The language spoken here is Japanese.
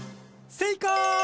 正解！